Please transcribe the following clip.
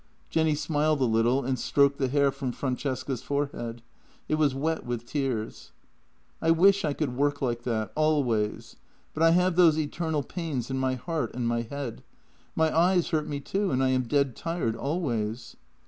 Jenny smiled a little and stroked the hair from Francesca's forehead; it was wet with tears. " I wish I could work like that — always — but I have those eternal pains in my heart and my head. My eyes hurt me too, and I am dead tired always."